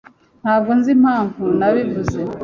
Ntabwo nzi impamvu nabivuze.